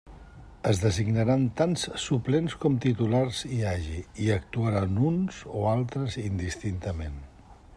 Es designaran tants suplents com titulars hi hagi i actuaran uns o altres indistintament.